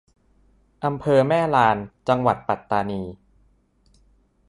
อำเภอแม่ลาน จังหวัดปัตตานี